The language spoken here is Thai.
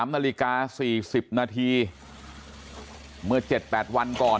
๓นาฬิกา๔๐นาทีเมื่อ๗๘วันก่อน